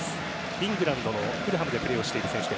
イングランドのフルハムでプレー。